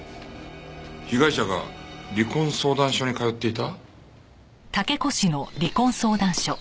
被害者が離婚相談所に通っていた？